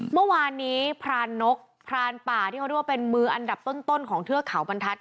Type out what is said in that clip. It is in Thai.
เมื่อวานนี้พรานนกพรานป่าที่เขาเรียกว่าเป็นมืออันดับต้นของเทือกเขาบรรทัศน